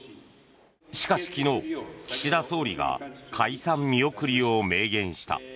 しかし、昨日、岸田総理が解散見送りを明言した。